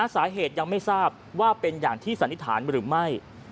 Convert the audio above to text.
สาเหตุยังไม่ทราบว่าเป็นอย่างที่สันนิษฐานหรือไม่